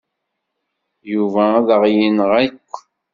Yuba ad aɣ-yenɣ akk.